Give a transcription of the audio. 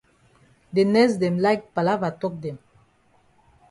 De nurse dem like palava tok dem.